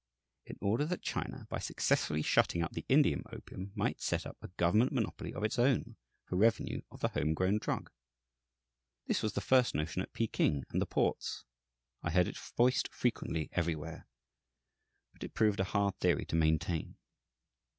In order that China, by successfully shutting out the Indian opium, might set up a government monopoly of its own, for revenue, of the home grown drug? This was the first notion at Peking and the ports. I heard it voiced frequently everywhere. But it proved a hard theory to maintain.